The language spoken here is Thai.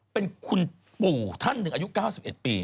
เป็นคุณปู่ท่านหนึ่งอายุ๙๑ปี